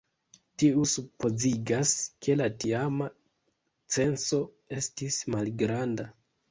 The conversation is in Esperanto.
Tio supozigas, ke la tiama censo estis malgranda.